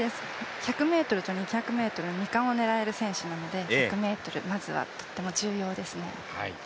１００ｍと２００ｍ、２冠を狙える選手なので１００ｍまずはとっても重要ですね。